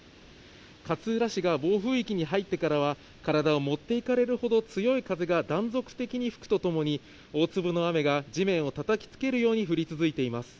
勝浦市が暴風域に入ってからは、体を持っていかれるほど強い風が断続的に吹くとともに、大粒の雨が地面をたたきつけるように降り続いています。